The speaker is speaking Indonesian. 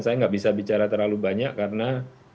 saya nggak bisa bicara terlalu banyak karena